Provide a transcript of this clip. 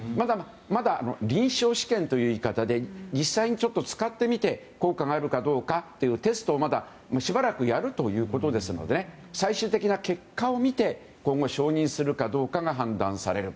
まだ臨床試験という言い方で実際に使ってみて効果があるかどうかというテストをしばらくやるということなので最終的な結果を見て今後、承認するかどうかが判断される。